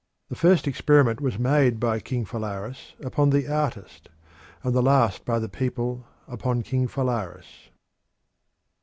The first experiment was made by King Phalaris upon the artist, and the last by the people upon King Phalaris.